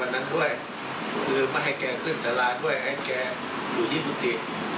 ว่าแกเมาก็เลยพากึ่งกุฏิ